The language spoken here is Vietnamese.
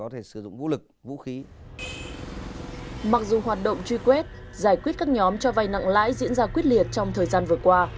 truy quét giải quyết các nhóm cho vay nặng lãi diễn ra quyết liệt trong thời gian vừa qua